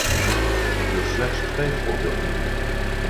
Ik wil slechts twee voorbeelden noemen.